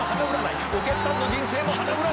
「お客さんの人生も花占いだ」